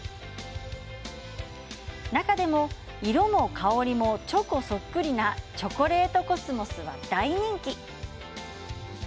中でも色も香りもチョコそっくりなチョコレートコスモスは大人気。